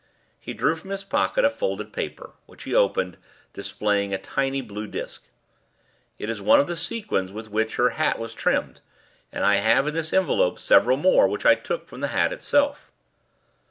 He drew from his pocket a folded paper, which he opened, displaying a tiny blue disc. "It is one of the sequins with which her hat was trimmed, and I have in this envelope several more which I took from the hat itself.